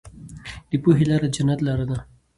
د پوهې لاره د جنت لاره ده.